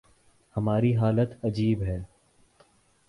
ہماری حالت عجیب ہے۔